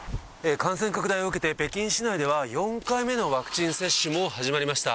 感染拡大を受けて、北京市内では、４回目のワクチン接種も始まりました。